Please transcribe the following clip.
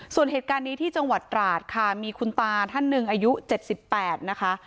ส่วนเหตุการณ์นี้ที่จังหวัดตราดค่ะมีคุณตาท่านหนึ่งอายุ๗๘นะคะ